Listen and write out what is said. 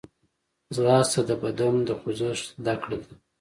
ځغاسته د بدن د خوځښت زدهکړه ده